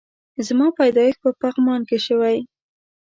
زما پيدايښت په پغمان کی شوي